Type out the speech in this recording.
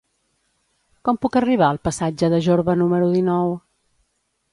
Com puc arribar al passatge de Jorba número dinou?